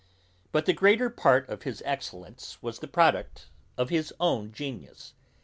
But the greater part of his excellence was the product of his own genius.